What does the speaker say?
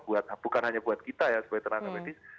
bukan hanya buat kita ya sebagai terang terang medis